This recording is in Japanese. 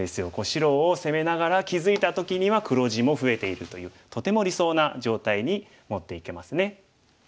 白を攻めながら気付いた時には黒地も増えているというとても理想な状態に持っていけますね。